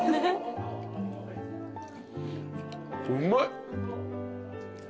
うまい。